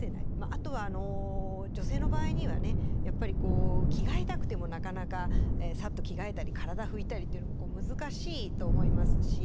あと女性の場合にはやっぱりこう着替えたくてもなかなかサッと着替えたり体ふいたりっていうのも難しいと思いますし。